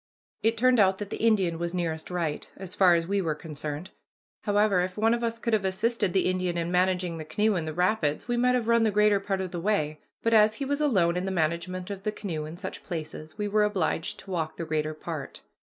It turned out that the Indian was nearest right, as far as we were concerned. However, if one of us could have assisted the Indian in managing the canoe in the rapids, we might have run the greater part of the way; but as he was alone in the management of the canoe in such places we were obliged to walk the greater part.